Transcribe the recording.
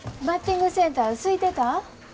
バッティングセンターすいてた？